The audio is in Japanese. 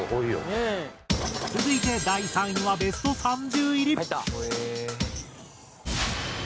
続いては第３位はベスト３０入り。